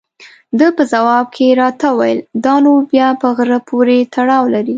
ده په ځواب کې راته وویل: دا نو بیا په غره پورې تړاو لري.